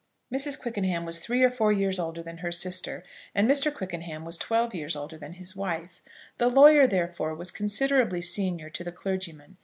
Mrs. Quickenham was three or four years older than her sister, and Mr. Quickenham was twelve years older than his wife. The lawyer therefore was considerably senior to the clergyman.